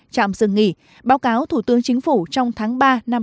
chạm dừng nghỉ báo cáo thủ tướng chính phủ trong tháng ba năm hai nghìn hai mươi bốn